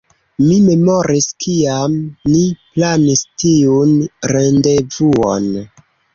Mi memoris kiam ni planis tiun rendevuon